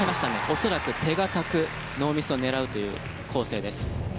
恐らく手堅くノーミスを狙うという構成です。